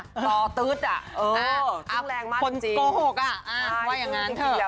ตอตูดอะเออซึ่งแรงมากจริงคนโกหกอะว่าอย่างนั้นเถอะ